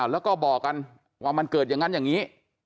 แล้วก็บอกกันว่ามันเกิดอย่างนั้นอย่างนี้